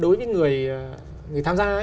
đối với người tham gia